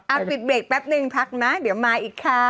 เอาปิดเบรกแป๊บนึงพักนะเดี๋ยวมาอีกค่ะ